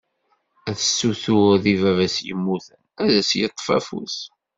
Ad tessuter deg baba-s yemmuten ad as-yeṭṭef afus.